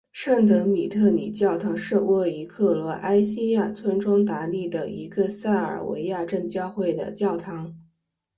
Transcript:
圣德米特里教堂是位于克罗埃西亚村庄达利的一个塞尔维亚正教会的教堂。